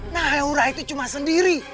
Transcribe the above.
nah heura itu cuma sendiri